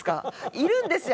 いるんですよ